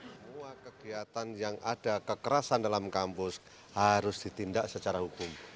semua kegiatan yang ada kekerasan dalam kampus harus ditindak secara hukum